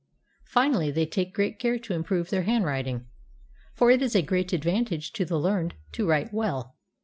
Finally, they take great care to improve their hand writing, for it is a great advantage to the learned to write well.